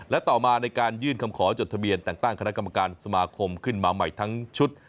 และต่อมาในการยื่นคำขอจดทะเบียนแต่งตั้งคณะกรรมการสมาคมขึ้นมาใหม่ทั้งชุด